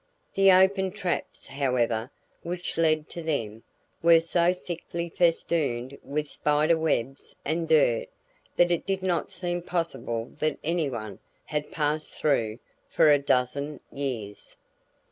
The open traps however which led to them were so thickly festooned with spider webs and dirt, that it did not seem possible that anyone had passed through for a dozen years.